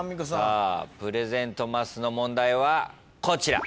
プレゼントマスの問題はこちら。